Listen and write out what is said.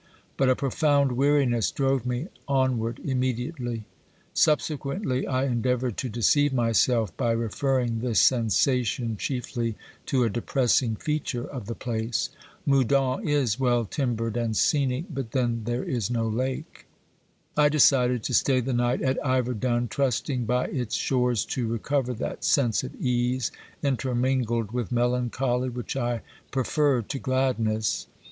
But a profound weari ness drove me onward immediately. Subsequently I endeavoured to deceive myself by referring this sensation chiefly to a depressing feature of the place. Moudon is well timbered and scenic, but then there is no lake. I de cided to stay the night at Iverdun, trusting by its shores to recover that sense of ease, intermingled with melancholy, which I prefer to gladness.